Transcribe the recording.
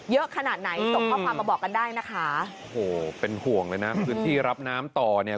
เยอะขนาดไหนส่งข้อความมาบอกกันได้นะคะโอ้โหเป็นห่วงเลยนะพื้นที่รับน้ำต่อเนี่ย